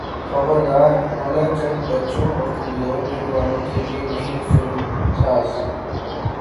خبردار مولا جٹ بچوں اور کمزور دل والوں کے لیے نہیں فلم ساز